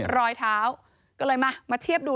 รอยเท้าก็เลยมาเทียบดู